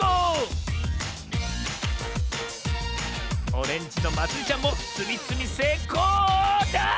オレンジのまつりちゃんもつみつみせいこうあっ